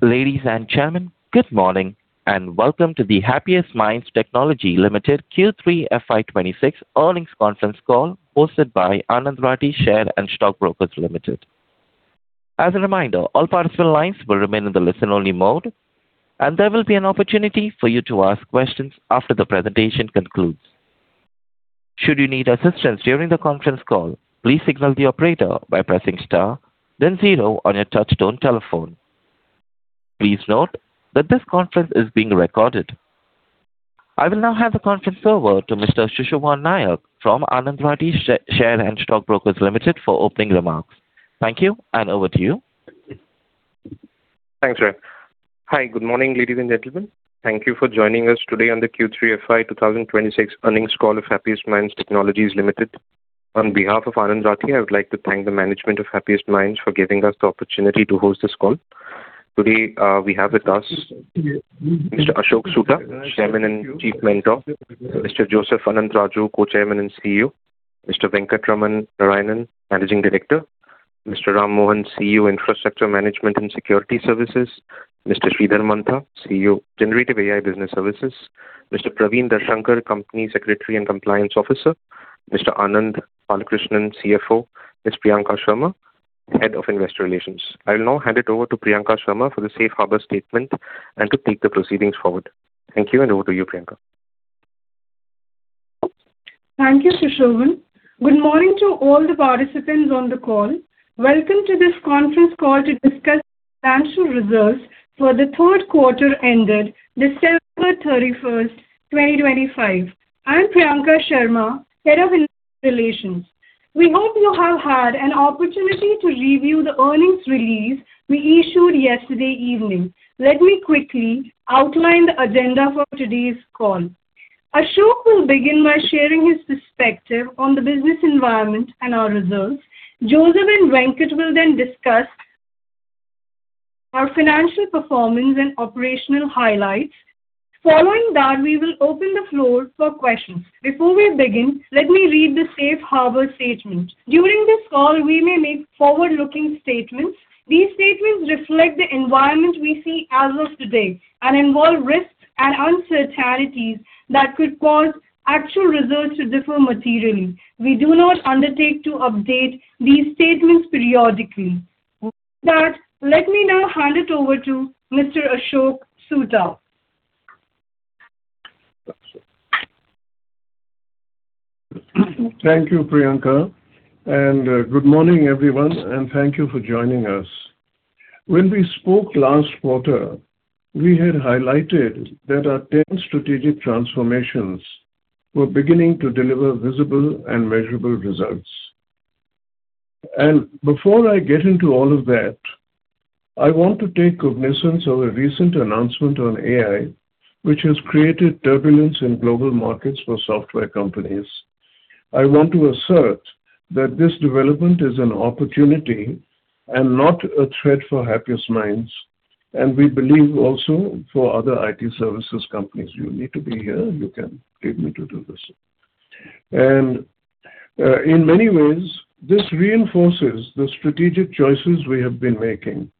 Ladies and gentlemen, good morning and welcome to the Happiest Minds Technologies Limited Q3 FY 2026 earnings conference call hosted by Anand Rathi Share and Stock Brokers Limited. As a reminder, all participant lines will remain in the listen-only mode, and there will be an opportunity for you to ask questions after the presentation concludes. Should you need assistance during the conference call, please signal the operator by pressing star, then zero on your touch-tone telephone. Please note that this conference is being recorded. I will now hand the conference over to Mr. Shashwat Nayak from Anand Rathi Share and Stock Brokers Limited for opening remarks. Thank you, and over to you. Thanks, Ray. Hi, good morning, ladies and gentlemen. Thank you for joining us today on the Q3 FY 2026 earnings call of Happiest Minds Technologies Limited. On behalf of Anand Rathi, I would like to thank the management of Happiest Minds for giving us the opportunity to host this call. Today we have with us Mr. Ashok Soota, Chairman and Chief Mentor, Mr. Joseph Anantharaju, Co-Chairman and CEO, Mr. Venkatraman Narayanan, Managing Director, Mr. Ram Mohan, CEO, Infrastructure Management and Security Services, Mr. Sridhar Mantha, CEO, Generative AI Business Services, Mr. Praveen Darshankar, Company Secretary and Compliance Officer, Mr. Anand Balakrishnan, CFO, and Ms. Priyanka Sharma, Head of Investor Relations. I will now hand it over to Priyanka Sharma for the safe harbor statement and to take the proceedings forward. Thank you, and over to you, Priyanka. Thank you, Shashwat. Good morning to all the participants on the call. Welcome to this conference call to discuss financial results for the third quarter ended December 31st, 2025. I'm Priyanka Sharma, Head of Investor Relations. We hope you have had an opportunity to review the earnings release we issued yesterday evening. Let me quickly outline the agenda for today's call. Ashok will begin by sharing his perspective on the business environment and our results. Joseph and Venkat will then discuss our financial performance and operational highlights. Following that, we will open the floor for questions. Before we begin, let me read the safe harbor statement. During this call, we may make forward-looking statements. These statements reflect the environment we see as of today and involve risks and uncertainties that could cause actual results to differ materially. We do not undertake to update these statements periodically. With that, let me now hand it over to Mr. Ashok Soota. Thank you, Priyanka. And good morning, everyone, and thank you for joining us. When we spoke last quarter, we had highlighted that our 10 strategic transformations were beginning to deliver visible and measurable results. And before I get into all of that, I want to take cognizance of a recent announcement on AI which has created turbulence in global markets for software companies. I want to assert that this development is an opportunity and not a threat for Happiest Minds, and we believe also for other IT services companies. You need to be here, you can leave me to do this. And in many ways, this reinforces the strategic choices we have been making.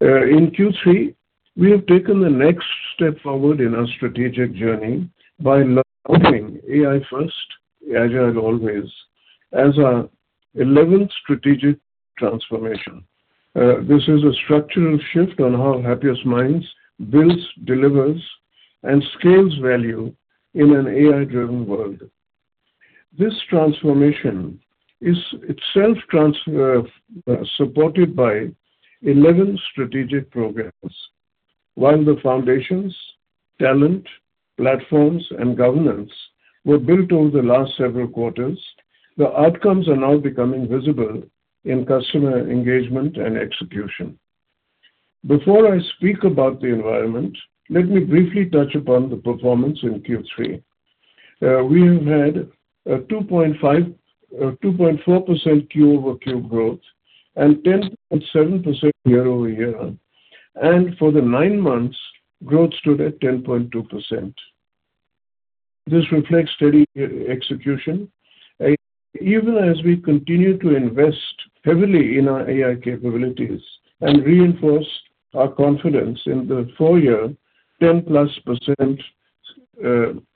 In Q3, we have taken the next step forward in our strategic journey by launching AI First, as I've always, as our 11th strategic transformation. This is a structural shift on how Happiest Minds builds, delivers, and scales value in an AI-driven world. This transformation is itself supported by 11 strategic programs. While the foundations, talent, platforms, and governance were built over the last several quarters, the outcomes are now becoming visible in customer engagement and execution. Before I speak about the environment, let me briefly touch upon the performance in Q3. We have had 2.4% Q-over-Q growth and 10.7% year-over-year, and for the nine months, growth stood at 10.2%. This reflects steady execution, even as we continue to invest heavily in our AI capabilities and reinforce our confidence in the four-year 10+%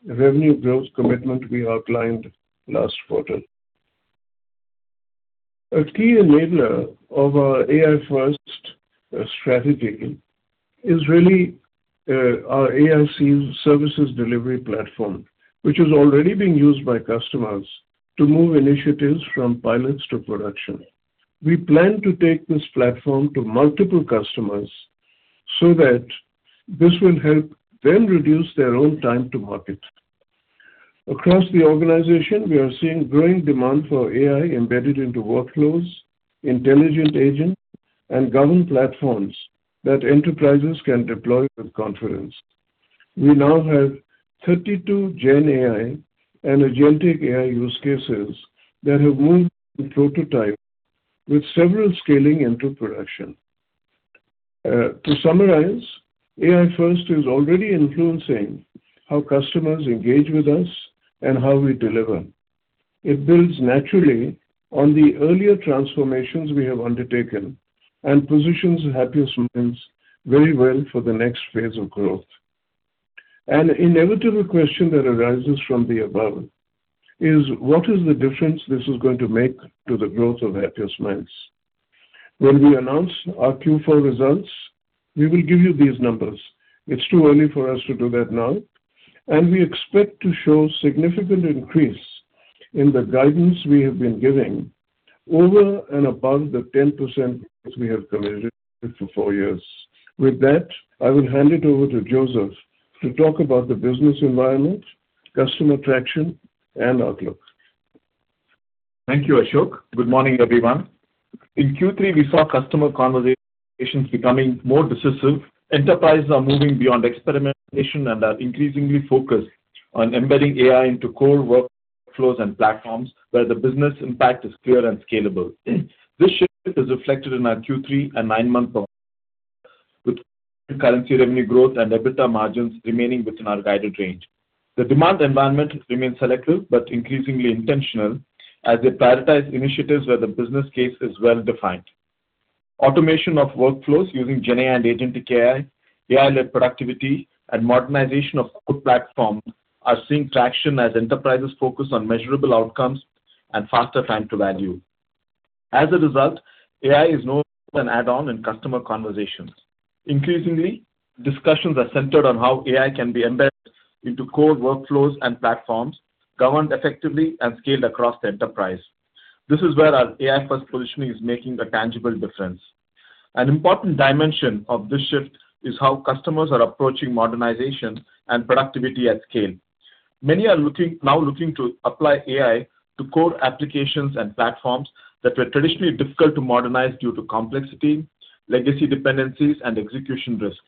revenue growth commitment we outlined last quarter. A key enabler of our AI First strategy is really our AI services delivery platform which is already being used by customers to move initiatives from pilots to production. We plan to take this platform to multiple customers so that this will help them reduce their own time to market. Across the organization, we are seeing growing demand for AI embedded into workflows, intelligent agents, and governed platforms that enterprises can deploy with confidence. We now have 32 GenAI and Agentic AI use cases that have moved from prototype with several scaling into production. To summarize, AI First is already influencing how customers engage with us and how we deliver. It builds naturally on the earlier transformations we have undertaken and positions Happiest Minds very well for the next phase of growth. An inevitable question that arises from the above is, what is the difference this is going to make to the growth of Happiest Minds? When we announce our Q4 results, we will give you these numbers. It's too early for us to do that now, and we expect to show significant increase in the guidance we have been giving over and above the 10% we have committed for four years. With that, I will hand it over to Joseph to talk about the business environment, customer traction, and outlook. Thank you, Ashok. Good morning, everyone. In Q3, we saw customer conversations becoming more decisive. Enterprises are moving beyond experimentation and are increasingly focused on embedding AI into core workflows and platforms where the business impact is clear and scalable. This shift is reflected in our Q3 and nine-month performance, with current currency revenue growth and EBITDA margins remaining within our guided range. The demand environment remains selective but increasingly intentional as they prioritize initiatives where the business case is well-defined. Automation of workflows using GenAI and Agentic AI, AI-led productivity, and modernization of core platforms are seeing traction as enterprises focus on measurable outcomes and faster time to value. As a result, AI is now an add-on in customer conversations. Increasingly, discussions are centered on how AI can be embedded into core workflows and platforms, governed effectively, and scaled across the enterprise. This is where our AI First positioning is making a tangible difference. An important dimension of this shift is how customers are approaching modernization and productivity at scale. Many are now looking to apply AI to core applications and platforms that were traditionally difficult to modernize due to complexity, legacy dependencies, and execution risk.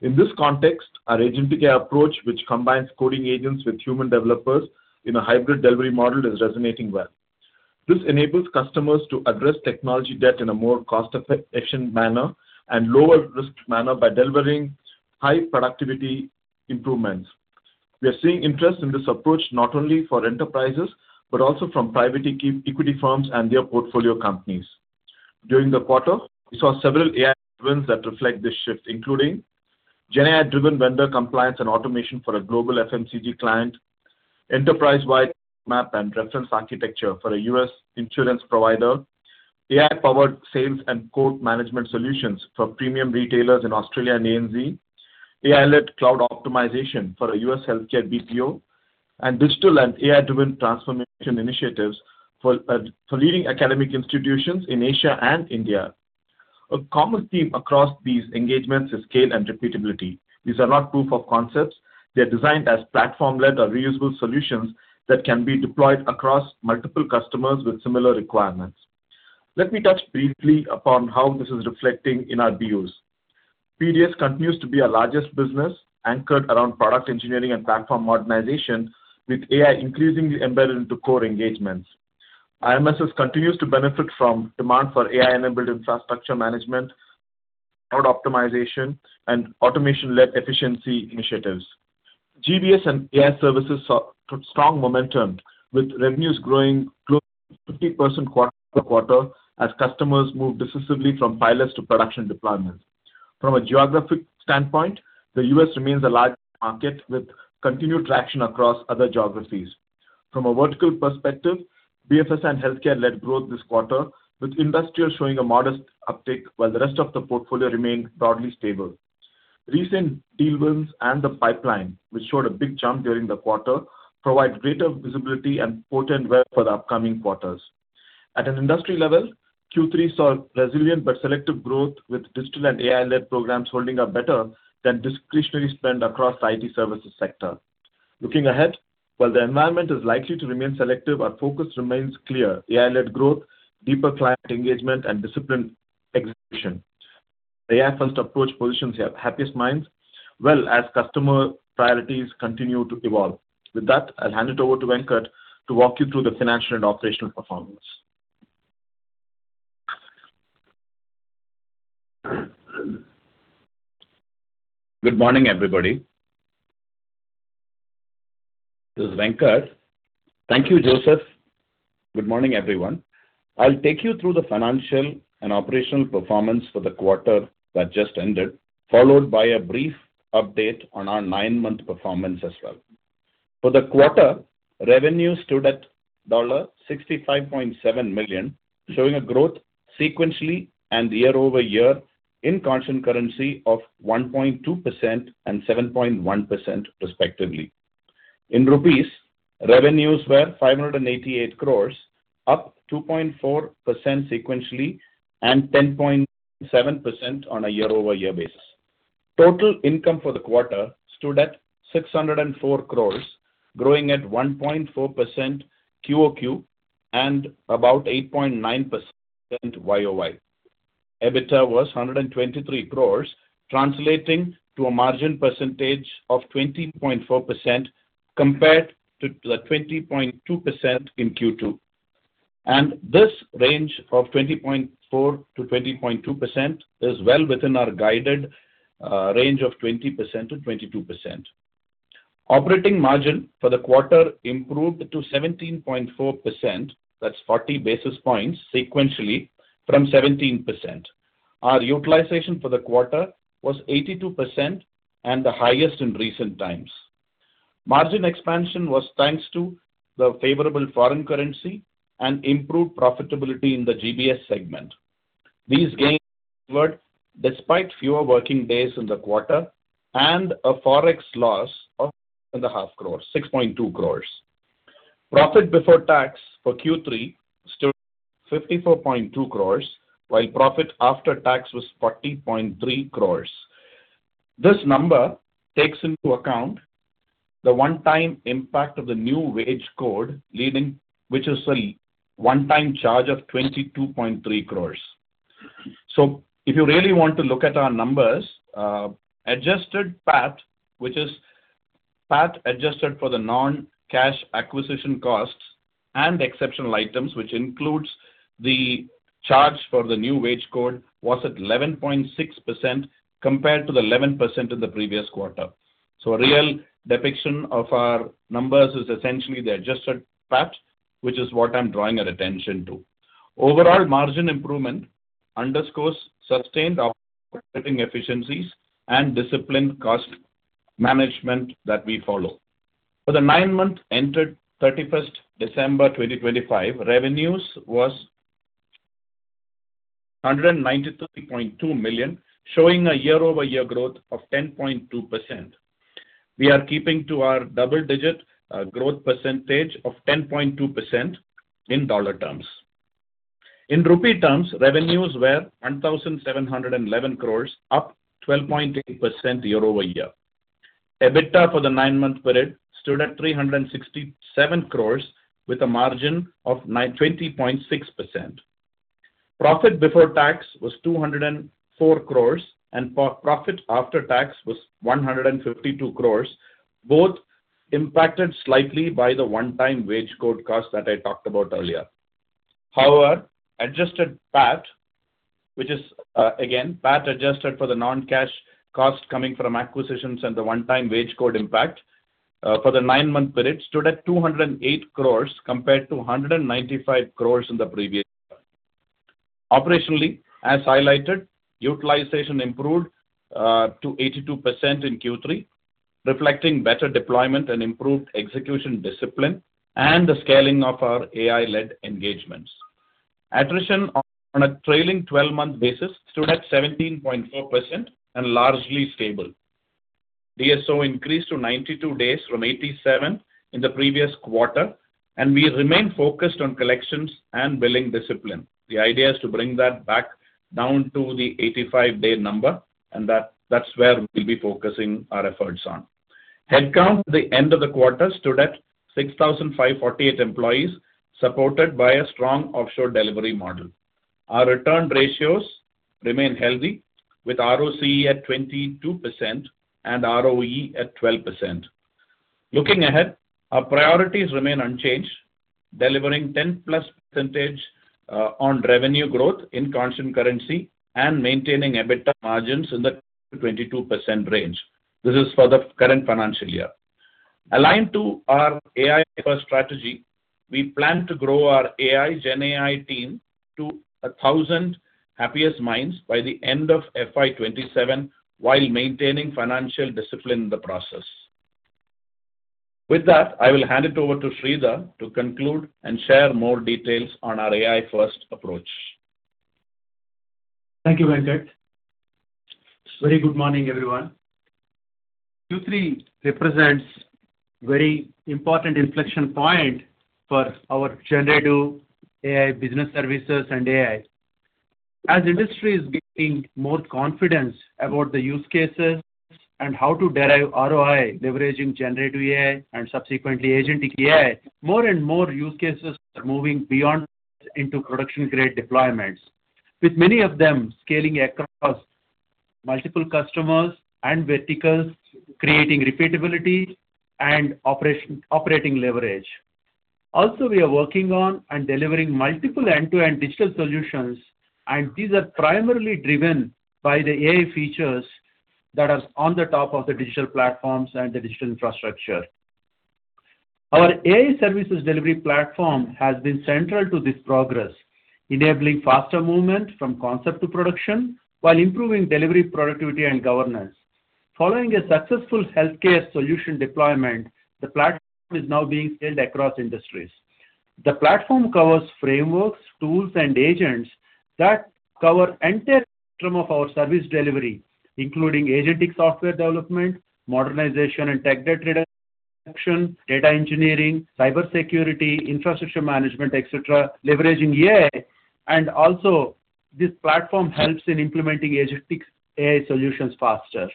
In this context, our Agentic AI approach, which combines coding agents with human developers in a hybrid delivery model, is resonating well. This enables customers to address technology debt in a more cost-efficient manner and lower-risk manner by delivering high productivity improvements. We are seeing interest in this approach not only for enterprises but also from private equity firms and their portfolio companies. During the quarter, we saw several AI advances that reflect this shift, including GenAI-driven vendor compliance and automation for a global FMCG client, enterprise-wide roadmap and reference architecture for a U.S. insurance provider, AI-powered sales and code management solutions for premium retailers in Australia and ANZ, AI-led cloud optimization for a U.S. healthcare BPO, and digital and AI-driven transformation initiatives for leading academic institutions in Asia and India. A common theme across these engagements is scale and repeatability. These are not proof of concepts. They are designed as platform-led or reusable solutions that can be deployed across multiple customers with similar requirements. Let me touch briefly upon how this is reflecting in our BUs. PDS continues to be our largest business, anchored around product engineering and platform modernization, with AI increasingly embedded into core engagements. IMSS continues to benefit from demand for AI-enabled infrastructure management, cloud optimization, and automation-led efficiency initiatives. GBS and AI services saw strong momentum, with revenues growing close to 50% quarter-over-quarter as customers moved decisively from pilots to production deployments. From a geographic standpoint, the U.S. remains a large market with continued traction across other geographies. From a vertical perspective, BFS and healthcare-led growth this quarter, with industrial showing a modest uptick while the rest of the portfolio remained broadly stable. Recent deal wins and the pipeline, which showed a big jump during the quarter, provide greater visibility and potent wealth for the upcoming quarters. At an industry level, Q3 saw resilient but selective growth, with digital and AI-led programs holding up better than discretionary spend across the IT services sector. Looking ahead, while the environment is likely to remain selective, our focus remains clear: AI-led growth, deeper client engagement, and disciplined execution. AI First approach positions Happiest Minds well as customer priorities continue to evolve. With that, I'll hand it over to Venkat to walk you through the financial and operational performance. Good morning, everybody. This is Venkat. Thank you, Joseph. Good morning, everyone. I'll take you through the financial and operational performance for the quarter that just ended, followed by a brief update on our nine-month performance as well. For the quarter, revenue stood at $65.7 million, showing a growth sequentially and year over year in constant currency of 1.2% and 7.1%, respectively. In rupees, revenues were 588 crores, up 2.4% sequentially and 10.7% on a year-over-year basis. Total income for the quarter stood at 604 crores, growing at 1.4% QOQ and about 8.9% YOY. EBITDA was 123 crores, translating to a margin percentage of 20.4% compared to the 20.2% in Q2. This range of 20.4%-20.2% is well within our guided range of 20%-22%. Operating margin for the quarter improved to 17.4%, that's 40 basis points sequentially from 17%. Our utilization for the quarter was 82% and the highest in recent times. Margin expansion was thanks to the favorable foreign currency and improved profitability in the GBS segment. These gains were despite fewer working days in the quarter and a forex loss of 6.2 crores. Profit before tax for Q3 stood at 54.2 crores, while profit after tax was 40.3 crores. This number takes into account the one-time impact of the new wage code, which is a one-time charge of 22.3 crores. So if you really want to look at our numbers, adjusted PAT, which is PAT adjusted for the non-cash acquisition costs and exceptional items, which includes the charge for the new wage code, was at 11.6% compared to the 11% in the previous quarter. So a real depiction of our numbers is essentially the adjusted PAT, which is what I'm drawing your attention to. Overall margin improvement underscores sustained operating efficiencies and disciplined cost management that we follow. For the nine months ended December 31, 2025, revenues were $193.2 million, showing a year-over-year growth of 10.2%. We are keeping to our double-digit growth percentage of 10.2% in dollar terms. In rupee terms, revenues were 1,711 crores, up 12.8% year-over-year. EBITDA for the nine-month period stood at 367 crores, with a margin of 20.6%. Profit before tax was 204 crores, and profit after tax was 152 crores, both impacted slightly by the one-time wage code cost that I talked about earlier. However, adjusted PAT, which is, again, PAT adjusted for the non-cash costs coming from acquisitions and the one-time wage code impact, for the nine-month period stood at 208 crores compared to 195 crores in the previous year. Operationally, as highlighted, utilization improved to 82% in Q3, reflecting better deployment and improved execution discipline and the scaling of our AI-led engagements. Attrition on a trailing 12-month basis stood at 17.4% and largely stable. DSO increased to 92 days from 87 in the previous quarter, and we remain focused on collections and billing discipline. The idea is to bring that back down to the 85-day number, and that's where we'll be focusing our efforts on. Headcount at the end of the quarter stood at 6,548 employees, supported by a strong offshore delivery model. Our return ratios remain healthy, with ROCE at 22% and ROE at 12%. Looking ahead, our priorities remain unchanged, delivering 10%+ percentage on revenue growth in constant currency and maintaining EBITDA margins in the 22% range. This is for the current financial year. Aligned to our AI First strategy, we plan to grow our AI, GenAI team to 1,000 Happiest Minds by the end of FY 2027 while maintaining financial discipline in the process. With that, I will hand it over to Sridhar to conclude and share more details on our AI First approach. Thank you, Venkat. Very good morning, everyone. Q3 represents a very important inflection point for our generative AI business services and AI. As industry is gaining more confidence about the use cases and how to derive ROI leveraging generative AI and subsequently Agentic AI, more and more use cases are moving beyond into production-grade deployments, with many of them scaling across multiple customers and verticals, creating repeatability and operating leverage. Also, we are working on and delivering multiple end-to-end digital solutions, and these are primarily driven by the AI features that are on the top of the digital platforms and the digital infrastructure. Our AI services delivery platform has been central to this progress, enabling faster movement from concept to production while improving delivery productivity and governance. Following a successful healthcare solution deployment, the platform is now being scaled across industries. The platform covers frameworks, tools, and agents that cover an entire spectrum of our service delivery, including agentic software development, modernization and tech debt reduction, data engineering, cybersecurity, infrastructure management, etc., leveraging AI, and also this platform helps in implementing Agentic AI solutions faster.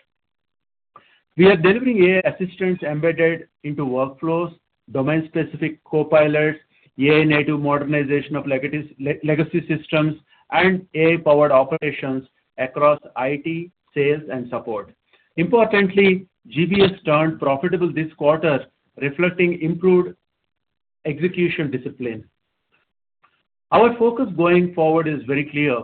We are delivering AI assistants embedded into workflows, domain-specific co-pilots, AI-native modernization of legacy systems, and AI-powered operations across IT, sales, and support. Importantly, GBS turned profitable this quarter, reflecting improved execution discipline. Our focus going forward is very clear: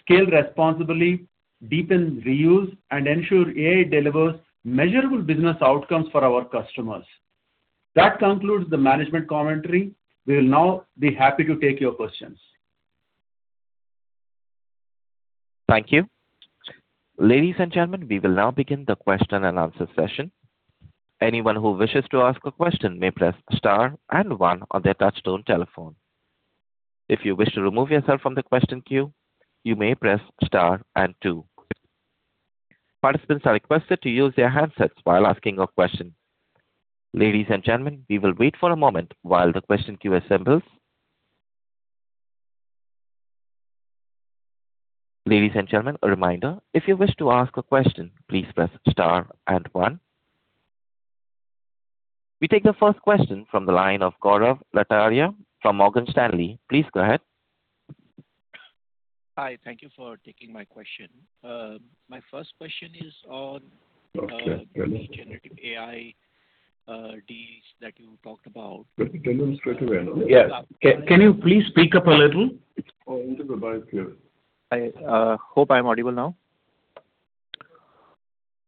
scale responsibly, deepen reuse, and ensure AI delivers measurable business outcomes for our customers. That concludes the management commentary. We will now be happy to take your questions. Thank you. Ladies and gentlemen, we will now begin the question and answer session. Anyone who wishes to ask a question may press star and one on their touch-tone telephone. If you wish to remove yourself from the question queue, you may press star and two. Participants are requested to use their handsets while asking a question. Ladies and gentlemen, we will wait for a moment while the question queue assembles. Ladies and gentlemen, a reminder: if you wish to ask a question, please press star and one. We take the first question from the line of Gaurav Rateria from Morgan Stanley. Please go ahead. Hi. Thank you for taking my question. My first question is on the Generative AI deals that you talked about. Can you please speak up a little? I hope I'm audible now.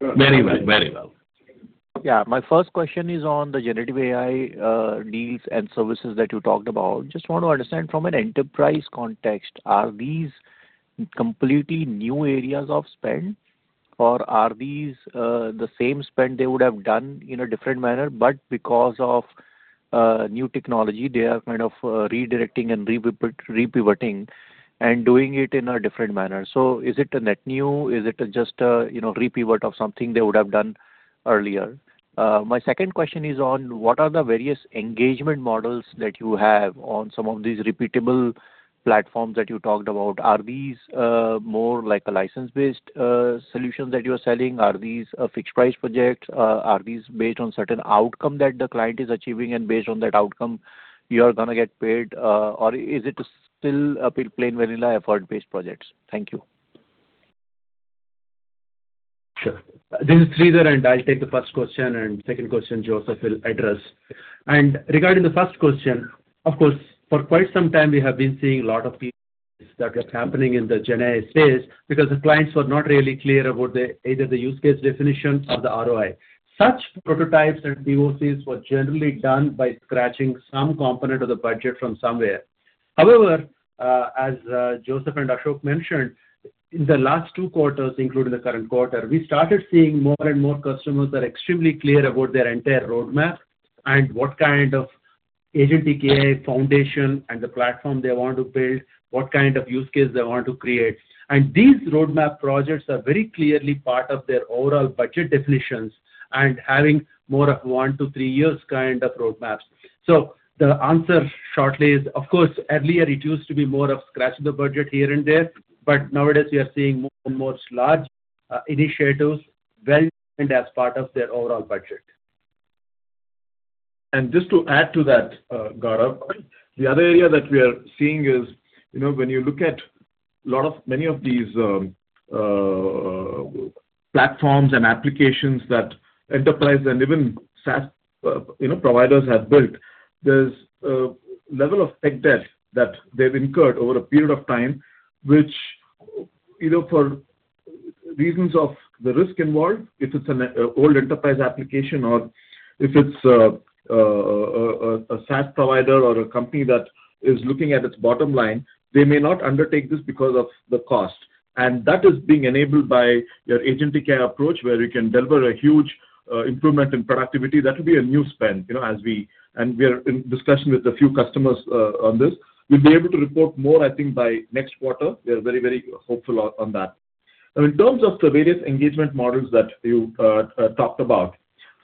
Very well, very well. Yeah. My first question is on the generative AI deals and services that you talked about. Just want to understand, from an enterprise context, are these completely new areas of spend, or are these the same spend they would have done in a different manner? But because of new technology, they are kind of redirecting and repivoting and doing it in a different manner. So is it a net new? Is it just a repivot of something they would have done earlier? My second question is on what are the various engagement models that you have on some of these repeatable platforms that you talked about? Are these more like license-based solutions that you are selling? Are these a fixed-price project? Are these based on certain outcomes that the client is achieving, and based on that outcome, you are going to get paid? Or is it still a plain vanilla effort-based project? Thank you. Sure. This is Sridhar, and I'll take the first question. And second question, Joseph, will address. And regarding the first question, of course, for quite some time, we have been seeing a lot of things that were happening in the GenAI space because the clients were not really clear about either the use case definition or the ROI. Such prototypes and POCs were generally done by scratching some component of the budget from somewhere. However, as Joseph and Ashok mentioned, in the last two quarters, including the current quarter, we started seeing more and more customers that are extremely clear about their entire roadmap and what kind of Agentic AI foundation and the platform they want to build, what kind of use case they want to create. And these roadmap projects are very clearly part of their overall budget definitions and having more of 1-3 years kind of roadmaps. So the answer shortly is, of course, earlier, it used to be more of scratching the budget here and there, but nowadays, we are seeing more and more large initiatives well-intended as part of their overall budget. And just to add to that, Gaurav, the other area that we are seeing is when you look at many of these platforms and applications that enterprise and even SaaS providers have built, there's a level of tech debt that they've incurred over a period of time, which either for reasons of the risk involved, if it's an old enterprise application, or if it's a SaaS provider or a company that is looking at its bottom line, they may not undertake this because of the cost. And that is being enabled by your Agentic AI approach, where you can deliver a huge improvement in productivity. That will be a new spend. And we are in discussion with a few customers on this. We'll be able to report more, I think, by next quarter. We are very, very hopeful on that. Now, in terms of the various engagement models that you talked about,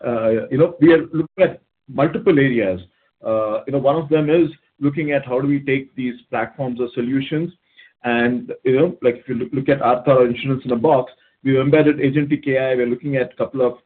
we are looking at multiple areas. One of them is looking at how do we take these platforms or solutions. If you look at Aadhaar or Insurance-in-a-Box, we've embedded Agentic AI. We're looking at a couple of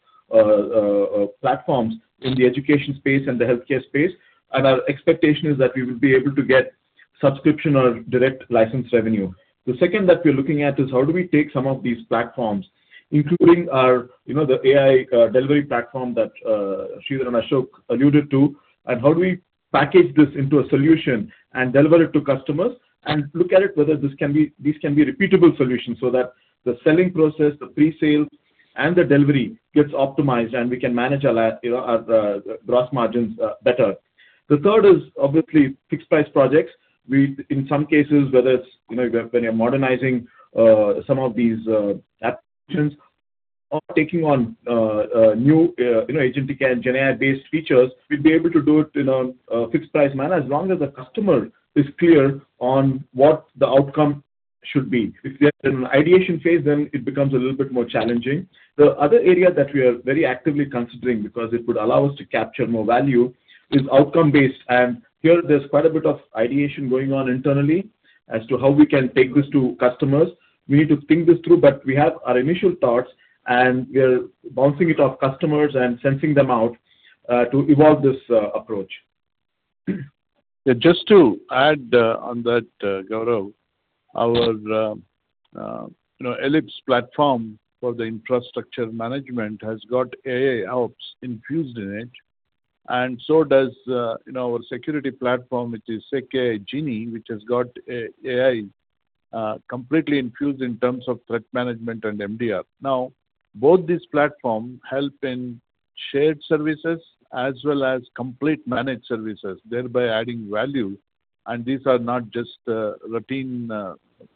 platforms in the education space and the healthcare space. Our expectation is that we will be able to get subscription or direct license revenue. The second that we're looking at is how do we take some of these platforms, including the AI delivery platform that Sridhar and Ashok alluded to, and how do we package this into a solution and deliver it to customers and look at whether these can be repeatable solutions so that the selling process, the presale, and the delivery gets optimized, and we can manage our gross margins better. The third is obviously fixed-price projects. In some cases, whether it's when you're modernizing some of these applications or taking on new Agentic AI and GenAI-based features, we'd be able to do it in a fixed-price manner as long as the customer is clear on what the outcome should be. If they're in an ideation phase, then it becomes a little bit more challenging. The other area that we are very actively considering because it would allow us to capture more value is outcome-based. Here, there's quite a bit of ideation going on internally as to how we can take this to customers. We need to think this through, but we have our initial thoughts, and we are bouncing it off customers and sensing them out to evolve this approach. Yeah. Just to add on that, Gaurav, our Ellips platform for the infrastructure management has got AI helps infused in it, and so does our security platform, which is SecAI Genie, which has got AI completely infused in terms of threat management and MDR. Now, both these platforms help in shared services as well as complete managed services, thereby adding value. And these are not just routine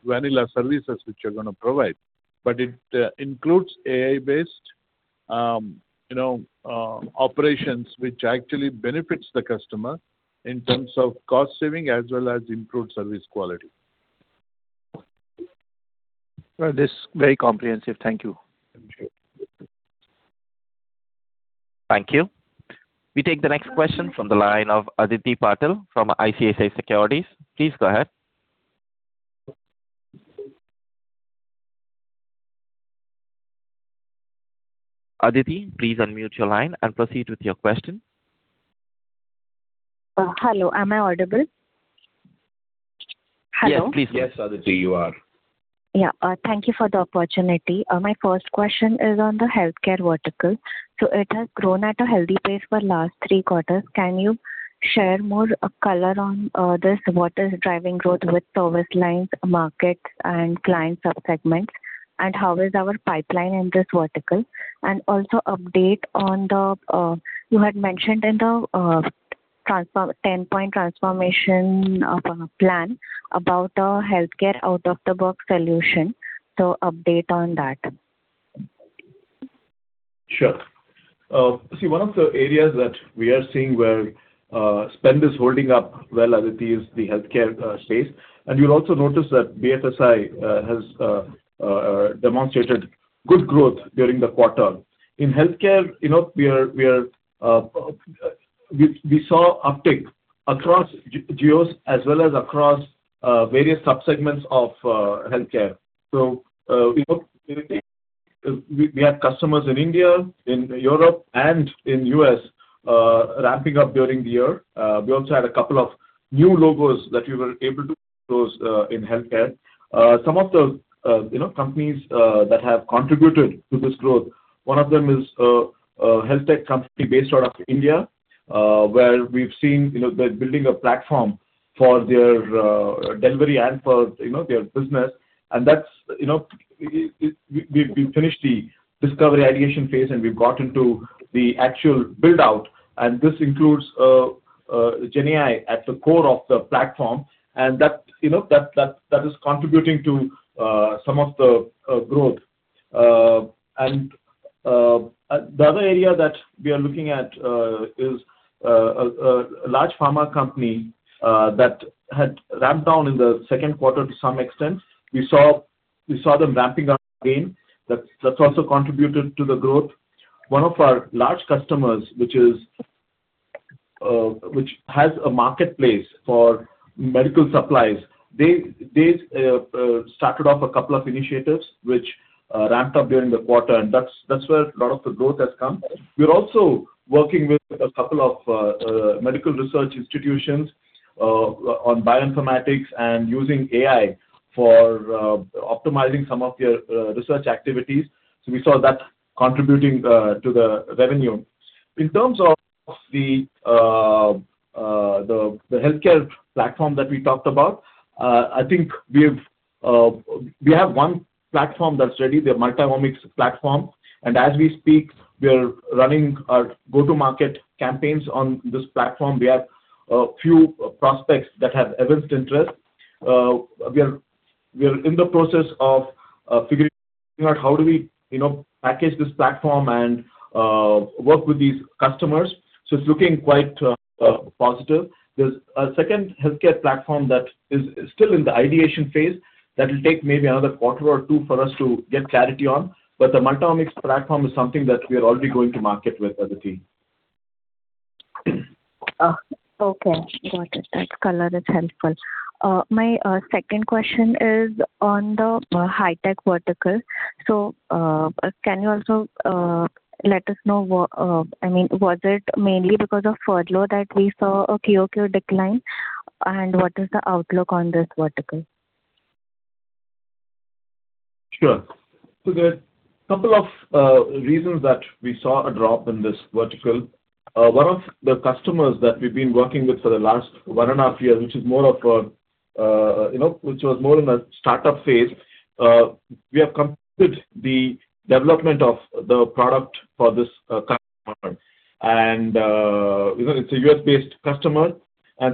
vanilla services which you're going to provide, but it includes AI-based operations which actually benefit the customer in terms of cost saving as well as improved service quality. This is very comprehensive. Thank you. Thank you. Thank you. We take the next question from the line of Aditi Patil from ICICI Securities. Please go ahead. Aditi, please unmute your line and proceed with your question. Hello. Am I audible? Hello? Yes, please go ahead. Yes, Aditi, you are. Yeah. Thank you for the opportunity. My first question is on the healthcare vertical. So it has grown at a healthy pace for the last three quarters. Can you share more color on this? What is driving growth with service lines, markets, and client subsegments? And how is our pipeline in this vertical? And also update on the you had mentioned in the 10-point transformation plan about a healthcare out-of-the-box solution. So update on that. Sure. See, one of the areas that we are seeing where spend is holding up well, Aditi, is the healthcare space. And you'll also notice that BFSI has demonstrated good growth during the quarter. In healthcare, we saw an uptick across geos as well as across various subsegments of healthcare. So we have customers in India, in Europe, and in the US ramping up during the year. We also had a couple of new logos that we were able to close in healthcare. Some of the companies that have contributed to this growth, one of them is a healthtech company based out of India where we've seen they're building a platform for their delivery and for their business. And we've finished the discovery ideation phase, and we've gotten to the actual buildout. This includes GenAI at the core of the platform, and that is contributing to some of the growth. The other area that we are looking at is a large pharma company that had ramped down in the second quarter to some extent. We saw them ramping up again. That's also contributed to the growth. One of our large customers, which has a marketplace for medical supplies, they started off a couple of initiatives which ramped up during the quarter, and that's where a lot of the growth has come. We're also working with a couple of medical research institutions on bioinformatics and using AI for optimizing some of their research activities. We saw that contributing to the revenue. In terms of the healthcare platform that we talked about, I think we have one platform that's ready. The Multi-Omics platform. As we speak, we are running our go-to-market campaigns on this platform. We have a few prospects that have evinced interest. We are in the process of figuring out how do we package this platform and work with these customers. So it's looking quite positive. There's a second healthcare platform that is still in the ideation phase that will take maybe another quarter or two for us to get clarity on. But the Multi-Omics platform is something that we are already going to market with, Aditi. Okay. Got it. That color is helpful. My second question is on the Hi-Tech vertical. So can you also let us know I mean, was it mainly because of furlough that we saw a QOQ decline? And what is the outlook on this vertical? Sure. So there are a couple of reasons that we saw a drop in this vertical. One of the customers that we've been working with for the last 1.5 years, which was more in a startup phase, we have completed the development of the product for this customer. It's a U.S.-based customer.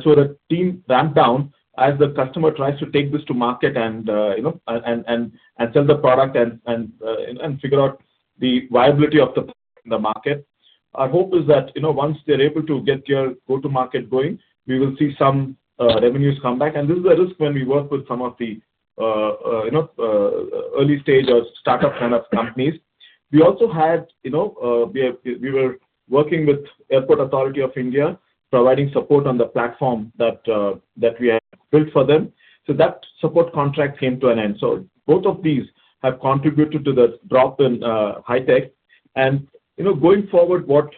So the team ramped down as the customer tries to take this to market and sell the product and figure out the viability of the product in the market. Our hope is that once they're able to get their go-to-market going, we will see some revenues come back. This is a risk when we work with some of the early-stage or startup kind of companies. We also were working with the Airports Authority of India, providing support on the platform that we had built for them. So that support contract came to an end. So both of these have contributed to the drop in Hi-Tech. And going forward, what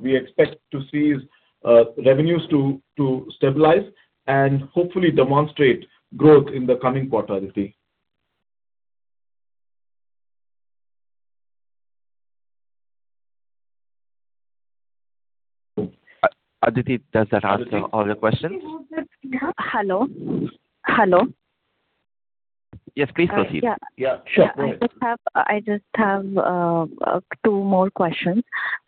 we expect to see is revenues to stabilize and hopefully demonstrate growth in the coming quarter, Aditi. Aditi, does that answer all your questions? Hello? Hello? Yes, please proceed. Yeah. Yeah. Sure. Go ahead. Yeah. I just have two more questions.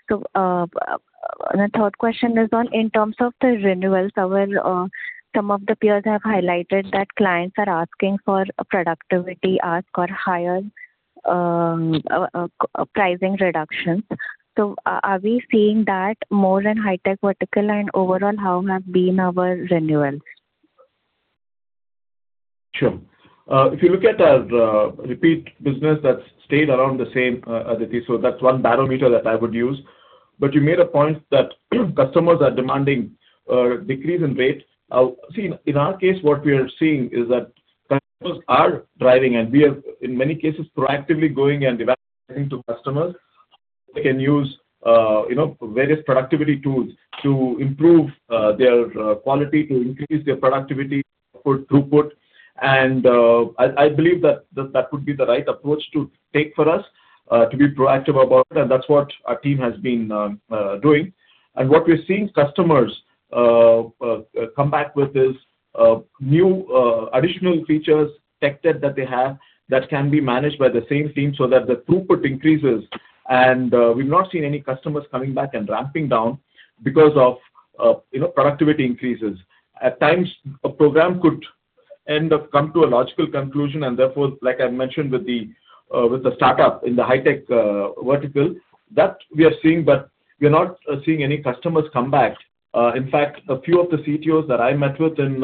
So the third question is in terms of the renewals. Some of the peers have highlighted that clients are asking for productivity ask or higher pricing reductions. So are we seeing that more in Hi-Tech vertical? And overall, how have been our renewals? Sure. If you look at our repeat business, that's stayed around the same, Aditi. So that's one barometer that I would use. But you made a point that customers are demanding a decrease in rate. See, in our case, what we are seeing is that customers are driving, and we are, in many cases, proactively going and advising to customers how they can use various productivity tools to improve their quality, to increase their productivity, output, throughput. And I believe that that would be the right approach to take for us, to be proactive about it. And that's what our team has been doing. And what we're seeing customers come back with is new additional features, tech debt that they have that can be managed by the same team so that the throughput increases. And we've not seen any customers coming back and ramping down because of productivity increases. At times, a program could end up coming to a logical conclusion. Therefore, like I mentioned with the startup in the Hi-Tech vertical, that we are seeing, but we are not seeing any customers come back. In fact, a few of the CTOs that I met with in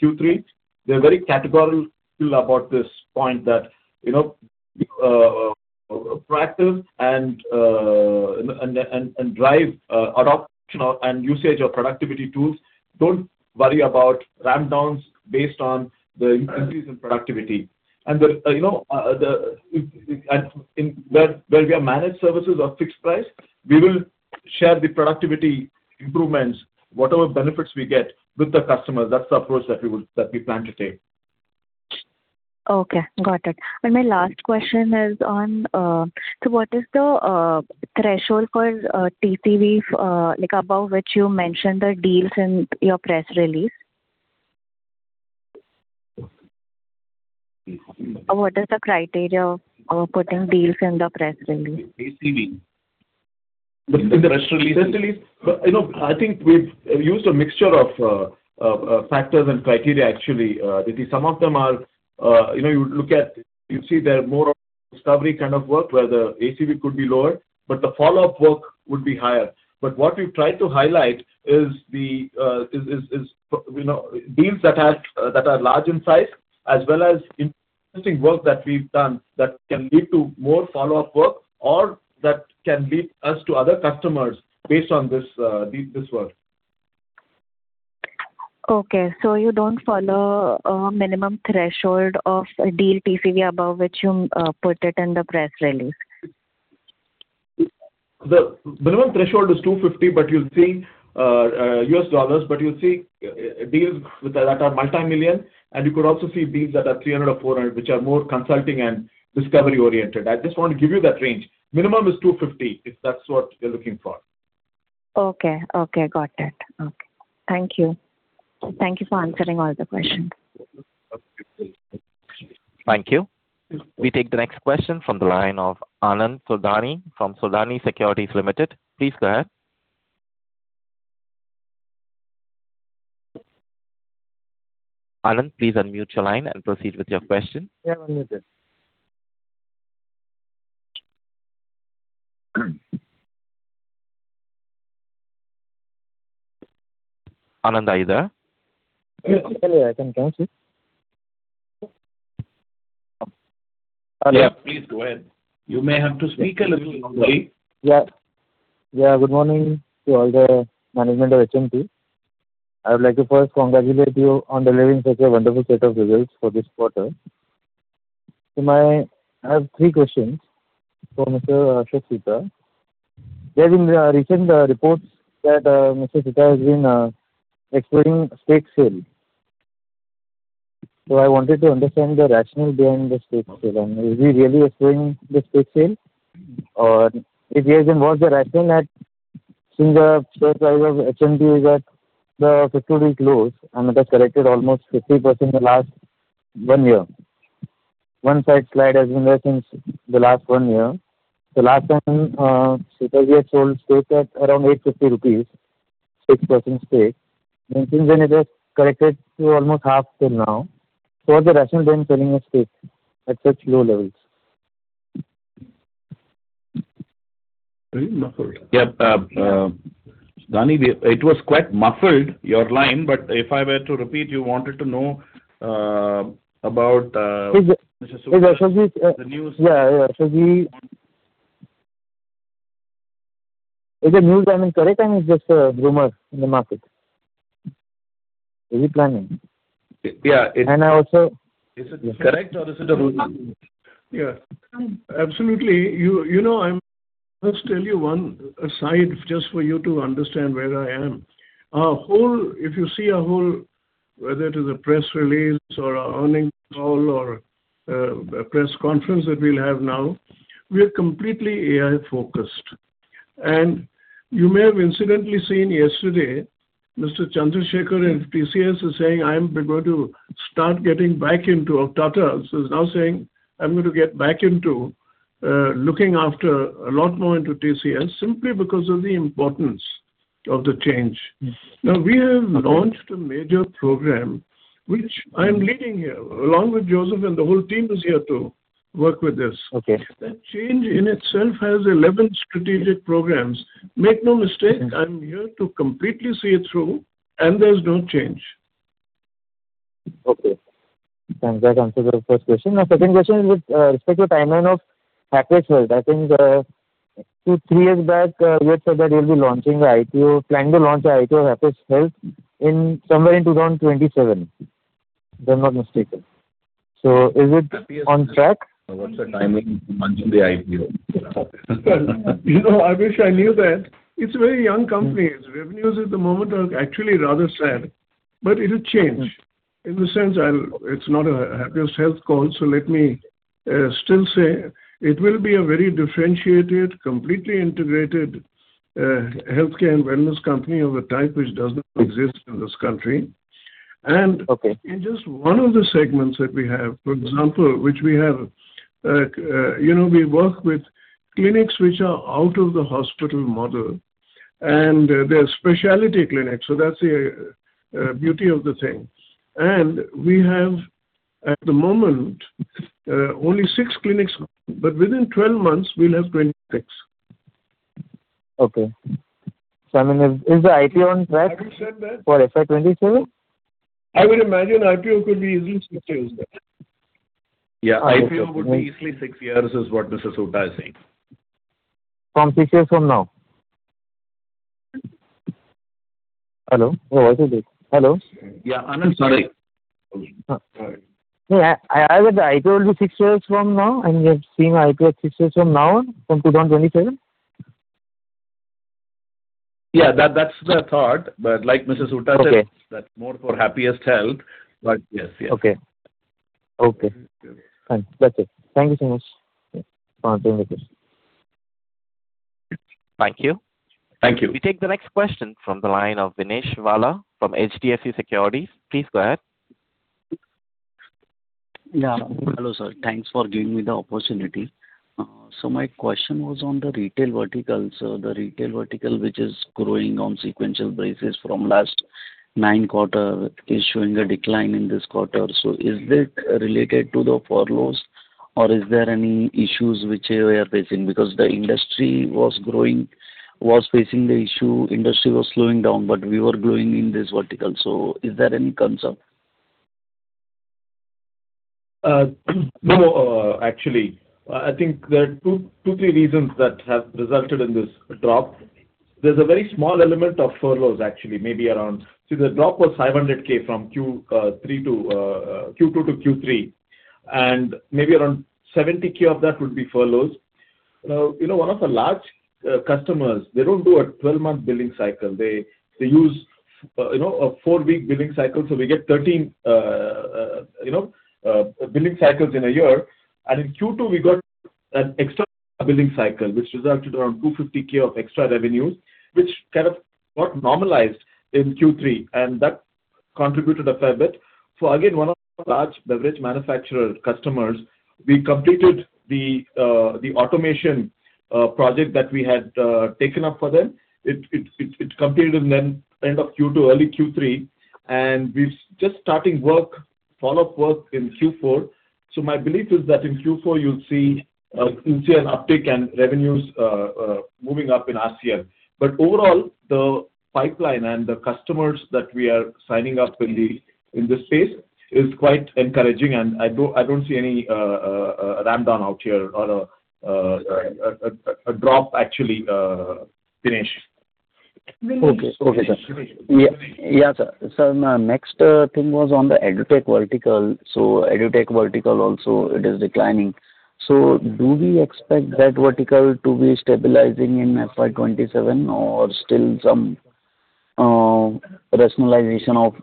Q3, they're very categorical about this point that be proactive and drive adoption and usage of productivity tools. Don't worry about rampdowns based on the increase in productivity. Where we have managed services of fixed price, we will share the productivity improvements, whatever benefits we get, with the customers. That's the approach that we plan to take. Okay. Got it. And my last question is on so what is the threshold for TCV above which you mentioned the deals in your press release? What is the criteria of putting deals in the press release? TCV. In the press release. Press release? But I think we've used a mixture of factors and criteria, actually, Aditi. Some of them are you would look at you'd see they're more of discovery kind of work where the ACV could be lower, but the follow-up work would be higher. But what we've tried to highlight is deals that are large in size as well as interesting work that we've done that can lead to more follow-up work or that can lead us to other customers based on this work. Okay. So you don't follow a minimum threshold of a deal TCV above which you put it in the press release? The minimum threshold is $250, but you'll see U.S. dollars, but you'll see deals that are multi-million. You could also see deals that are $300 or $400, which are more consulting and discovery-oriented. I just want to give you that range. Minimum is $250 if that's what you're looking for. Okay. Okay. Got it. Okay. Thank you. Thank you for answering all the questions. Thank you. We take the next question from the line of Anand Sodhani from Sodhani Securities Limited. Please go ahead. Anand, please unmute your line and proceed with your question. Yeah. I'm muted. Anand, are you there? Yes. I'm here. I can count you. Yeah. Please go ahead. You may have to speak a little longer. Yeah. Yeah. Good morning to all the management of HMT. I would like to first congratulate you on delivering such a wonderful set of results for this quarter. So I have three questions for Mr. Ashok Soota. There have been recent reports that Mr. Soota has been exploring a stake sale. So I wanted to understand the rationale behind the stake sale. And is he really exploring the stake sale? Or if he has, then what's the rationale that since the share price of HMT is at the 50-day close and it has corrected almost 50% in the last one year? One-sided slide has been there since the last one year. The last time, Soota, we had sold stake at around 850 rupees, 6% stake. And since then, it has corrected to almost half till now. So what's the rationale behind selling a stake at such low levels? Very muffled. Yeah. Sudhani, it was quite muffled, your line. But if I were to repeat, you wanted to know about Mr. Soota. Is Ashok G? The news? Yeah. Yeah. Ashok, is the news coming correct, or is it just a rumor in the market? Is he planning? Yeah. It's. I also. Is it correct, or is it a rumor? Yeah. Absolutely. I must tell you one aside just for you to understand where I am. If you see a whole, whether it is a press release or an earnings call or a press conference that we'll have now, we are completely AI-focused. And you may have incidentally seen yesterday, Mr. Chandrashekar in TCS is saying, "I'm going to start getting back into operations." So he's now saying, "I'm going to get back into looking after a lot more into TCS simply because of the importance of the change." Now, we have launched a major program, which I am leading here along with Joseph, and the whole team is here to work with this. That change in itself has 11 strategic programs. Make no mistake. I'm here to completely see it through, and there's no change. Okay. Thanks. I can answer the first question. My second question is with respect to the timeline of Happiest Health. I think two, three years back, we had said that we'll be launching the IPO, planning to launch the IPO of Happiest Health somewhere in 2027, if I'm not mistaken. So is it on track? What's the timing to launch the IPO? Well, I wish I knew that. It's a very young company. Its revenues at the moment are actually rather sad, but it'll change in the sense it's not a Happiest Health call. So let me still say it will be a very differentiated, completely integrated healthcare and wellness company of a type which doesn't exist in this country. And just one of the segments that we have, for example, which we work with clinics which are out of the hospital model, and they're specialty clinics. So that's the beauty of the thing. And we have, at the moment, only six clinics. But within 12 months, we'll have 26. Okay. So I mean, is the IPO on track? Have you said that? For FY 2027? I would imagine IPO could be easily six years. Yeah. IPO would be easily six years, is what Mr. Soota is saying. From six years from now? Hello? Oh, I see this. Hello? Yeah. Anand, sorry. Sorry. I heard that the IPO will be six years from now. We have seen an IPO at six years from now, from 2027? Yeah. That's the thought. But like Mr. Soota said, that's more for Happiest Health. But yes. Yes. Okay. Okay. Fine. That's it. Thank you so much for answering the question. Thank you. Thank you. We take the next question from the line of Vinesh Vala from HDFC Securities. Please go ahead. Yeah. Hello, sir. Thanks for giving me the opportunity. So my question was on the retail vertical. So the retail vertical, which is growing on sequential basis from last nine quarters, is showing a decline in this quarter. So is that related to the furloughs, or is there any issues which we are facing? Because the industry was facing the issue. Industry was slowing down, but we were growing in this vertical. So is there any concern? No. Actually, I think there are two or three reasons that have resulted in this drop. There's a very small element of furloughs, actually, maybe around, the drop was $500,000 from Q2 to Q3. And maybe around $70,000 of that would be furloughs. Now, one of our large customers, they don't do a 12-month billing cycle. They use a four-week billing cycle. So we get 13 billing cycles in a year. And in Q2, we got an extra billing cycle, which resulted in around $250,000 of extra revenues, which kind of got normalized in Q3. And that contributed a fair bit. So again, one of our large beverage manufacturer customers, we completed the automation project that we had taken up for them. It completed in the end of Q2, early Q3. And we're just starting follow-up work in Q4. My belief is that in Q4, you'll see an uptick and revenues moving up in RCM. Overall, the pipeline and the customers that we are signing up in this space is quite encouraging. I don't see any rampdown out here or a drop, actually, Vinesh. Okay. Okay, sir. Yeah. Yeah, sir. So my next thing was on the EdTech Vertical. So EdTech Vertical also, it is declining. So do we expect that vertical to be stabilizing in FY 2027, or still some rationalization of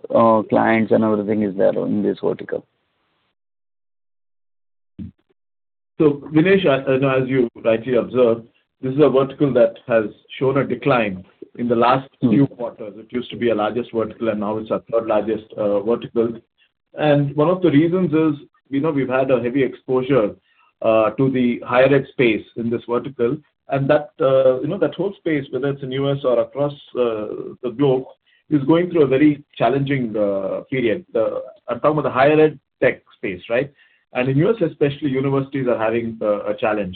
clients and everything is there in this vertical? So Vinesh, as you rightly observed, this is a vertical that has shown a decline in the last few quarters. It used to be the largest vertical, and now it's our third largest vertical. And one of the reasons is we've had a heavy exposure to the higher-ed space in this vertical. And that whole space, whether it's in the U.S. or across the globe, is going through a very challenging period. I'm talking about the higher-ed tech space, right? And in the U.S. especially, universities are having a challenge.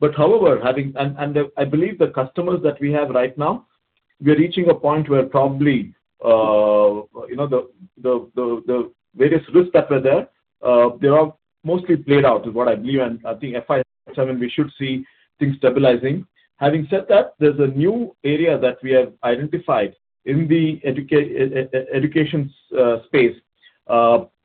But however, having and I believe the customers that we have right now, we are reaching a point where probably the various risks that were there, they are mostly played out is what I believe. And I think FY 2027, we should see things stabilizing. Having said that, there's a new area that we have identified in the education space,